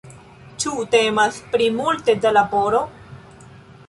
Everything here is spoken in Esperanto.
Ĉu temas pri multe da laboro?